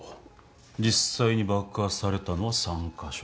実際に爆破されたのは３か所。